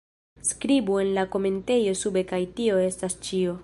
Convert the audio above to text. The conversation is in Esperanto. Skribu en la komentejo sube kaj tio estas ĉio